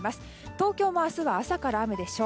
東京も明日は朝から雨でしょう。